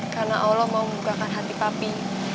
karena allah mau membukakan hati pak pi